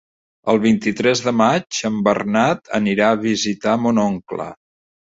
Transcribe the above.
El vint-i-tres de maig en Bernat anirà a visitar mon oncle.